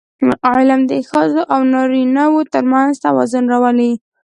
علم د ښځو او نارینهوو ترمنځ توازن راولي.